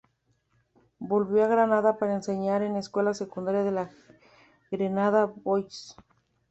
Volvió a Granada para enseñar en la Escuela Secundaria de la Grenada Boys.